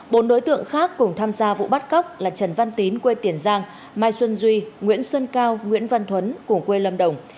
bốn đối tượng khác cùng tham gia vụ bắt cóc là trần văn tín quê tiền giang mai xuân duy nguyễn xuân cao nguyễn văn thuấn cùng quê lâm đồng